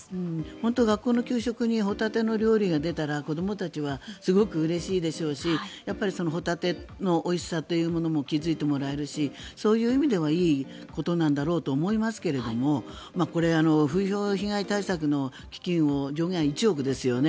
本当、学校の給食にホタテの料理が出たら子どもたちはすごくうれしいでしょうしホタテのおいしさというものも気付いてもらえるしそういう意味ではいいことなんだろうと思いますがこれ、風評被害対策の基金上限が１億円ですよね。